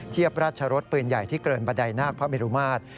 เทียบราชรสปืนใหญ่ที่เกินบันไดนาคพระเมรุมาตร